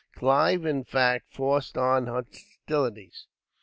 Clive, in fact, forced on hostilities.